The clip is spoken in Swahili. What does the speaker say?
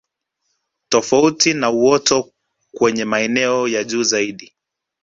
Tofauti na uoto kwenye maeneo ya juu zaidi